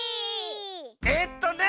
えっとね